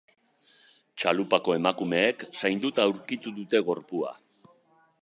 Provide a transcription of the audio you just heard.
Txalupako emakumeek zainduta aurkitu dute gorpua.